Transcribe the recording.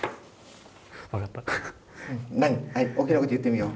はい大きな声で言ってみよう。